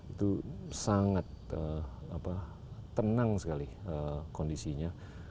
itu sangat tenang sekali kondisinya